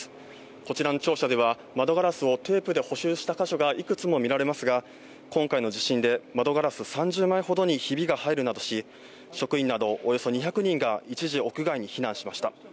こちらの庁舎では窓ガラスをテープで補修した箇所がいくつも見られますが、今回の地震で、窓ガラス３０枚ほどにひびが入るなどし、職員などおよそ２００人が一時屋外に避難しました。